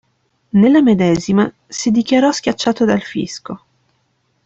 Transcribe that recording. Nella medesima si dichiarò "schiacciato dal fisco".